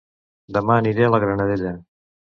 Dema aniré a La Granadella